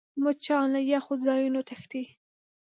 مچان له یخو ځایونو تښتي